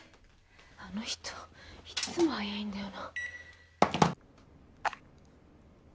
あの人いつも早いんだよな。